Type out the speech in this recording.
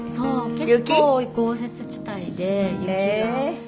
結構豪雪地帯で雪が。